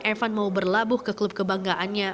evan mau berlabuh ke klub kebanggaannya